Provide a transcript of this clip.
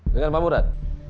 dengan pak murad